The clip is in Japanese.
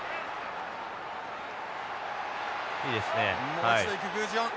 もう一度行くグジウォン。